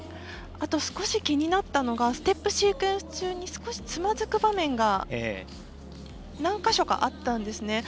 あと少し気になったのがステップシークエンス中に少しつまずく場面が何か所かあったんですね。